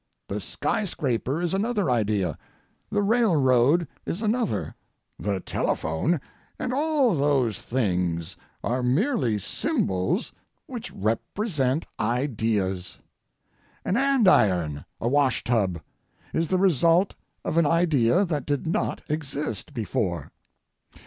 The skyscraper is another idea; the railroad is another; the telephone and all those things are merely symbols which represent ideas. An andiron, a wash tub, is the result of an idea that did not exist before.